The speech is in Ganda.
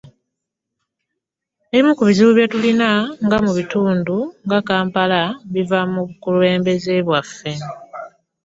“Ebimu ku bizibu bye tulina mu bitundu nga Kampala biva ku bakulembeze baffe".